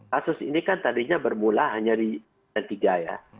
kasus ini kan tadinya bermula hanya di dan tiga ya